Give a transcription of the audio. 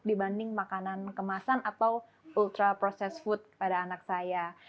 dibanding makanan kemasan atau ultra processed food pada anak saya